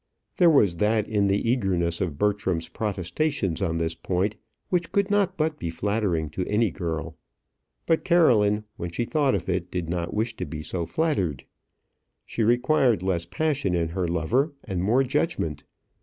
There was that in the eagerness of Bertram's protestations on this point which could not but be flattering to any girl; but Caroline, when she thought of it, did not wish to be so flattered. She required less passion in her lover and more judgment.